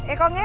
eh kong ya